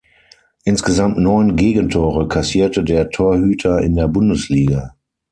Insgesamt neun Gegentore kassierte der Torhüter in der Bundesliga.